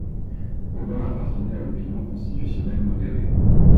Aubin appartenait à l'opinion constitutionnelle modérée.